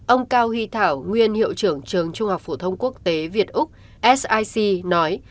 ông cao huy thảo nguyên hiệu trưởng trường trung học phổ thông quốc tế việt úc sic nói